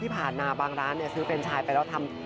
พี่ผาน่าบางร้านซื้อแฟนชายไปแล้ว